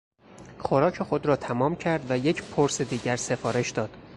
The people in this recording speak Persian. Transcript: خوراک خود را تمام کرد و یک پرس دیگر سفارش داد.